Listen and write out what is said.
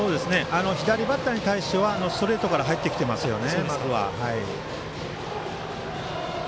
左バッターに対してはストレートからまずは入ってきていますね。